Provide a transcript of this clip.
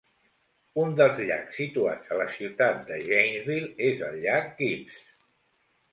Un dels llacs situats a la ciutat de Janesville és el llac Gibbs.